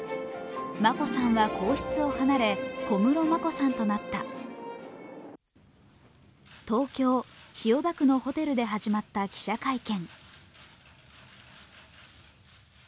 眞子さんは皇室を離れ小室眞子さんとなった東京・千代田区のホテルで始まった記者会見。